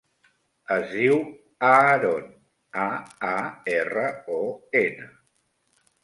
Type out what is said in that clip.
Es diu Aaron: a, a, erra, o, ena.